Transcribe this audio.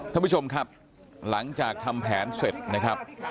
ท่านผู้ชมครับหลังจากทำแผนเสร็จนะครับ